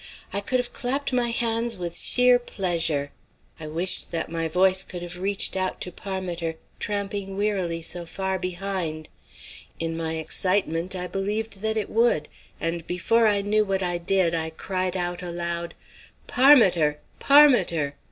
I could have clapped my hands with sheer pleasure. I wished that my voice could have reached out to Parmiter, tramping wearily so far beyond; in my excitement, I believed that it would, and before I knew what I did, I cried out aloud: "Parmiter! Parmiter!"